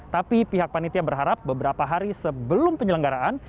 tapi pihak panitia berharap beberapa hari sebelum penyelenggaraan